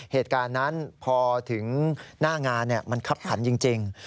เหตุการณ์นั้นพอถึงหน้างานมันคับขันจริง